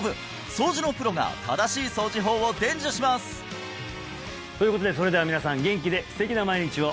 掃除のプロが正しい掃除法を伝授します！ということでそれでは皆さん元気で素敵な毎日を！